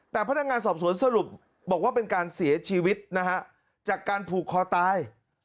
แต่พนักงานสอบสวนสรุปบอกว่าเป็นการเสียชีวิตนะฮะจากการผูกคอตาย